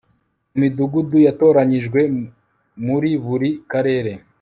mu midugudu yatoranyijwe muri buri karere